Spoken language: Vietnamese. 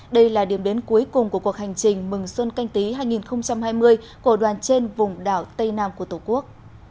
đây là điểm đến cuối cùng của cuộc hành trình mừng xuân canh tí hai nghìn hai mươi của đoàn trên vùng đảo tây nam của tổ quốc